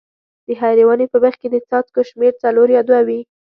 د هرې ونې په بیخ کې د څاڅکو شمېر څلور یا دوه وي.